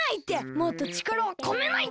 もっとちからをこめないと！